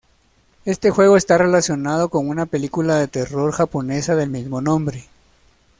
Este juego está relacionado con una película de terror japonesa del mismo nombre.